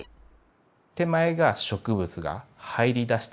手前が植物が入りだした状態